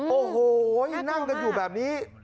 โอ้โหนั่งกันอยู่แบบนี้